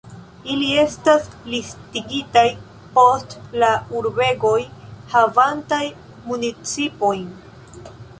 Ili estas listigitaj post la urbegoj havantaj municipojn.